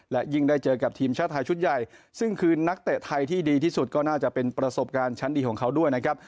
และยิ่งได้เจอกับทีมชาติไทยชุดใหญ่ซึ่งคือนักเตะไทยที่ดีที่สุดก็น่าจะเป็นประสบการณ์ชั้นดีของเขาด้วยนะครับ